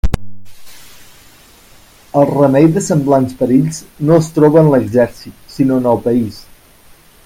El remei de semblants perills no es troba en l'exèrcit, sinó en el país.